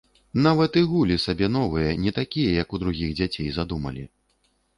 Нават і гулі сабе новыя, не такія, як у другіх дзяцей, задумалі.